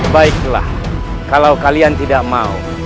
baiklah kalau kalian tidak mau